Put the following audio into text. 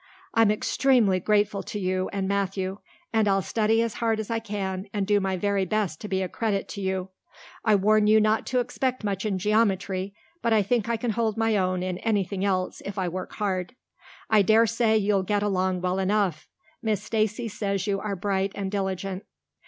"I'm extremely grateful to you and Matthew. And I'll study as hard as I can and do my very best to be a credit to you. I warn you not to expect much in geometry, but I think I can hold my own in anything else if I work hard." "I dare say you'll get along well enough. Miss Stacy says you are bright and diligent."